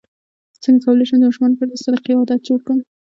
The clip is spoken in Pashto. څنګه کولی شم د ماشومانو لپاره د صدقې عادت جوړ کړم